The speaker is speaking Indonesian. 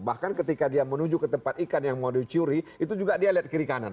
bahkan ketika dia menuju ke tempat ikan yang mau dicuri itu juga dia lihat kiri kanan